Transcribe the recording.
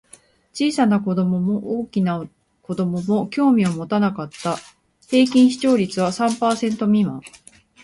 小さな子供も大きな子供も興味を持たなかった。平均視聴率は三パーセント未満。